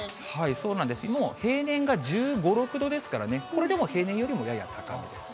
そうなんです、平年が１５、６度ですからね、これでも平年よりもやや高めです。